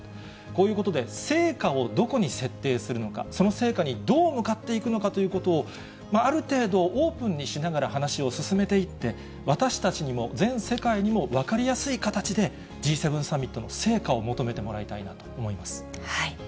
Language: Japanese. こういうことで、成果をどこに設定するのか、その成果にどう向かっていくのかということを、ある程度、オープンにしながら話を進めていって、私たちにも、全世界も分かりやすい形で、Ｇ７サミットの成果を求めてもらいたいなと思います。